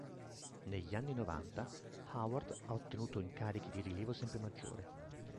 Negli anni novanta, Howard ha ottenuto incarichi di rilievo sempre maggiore.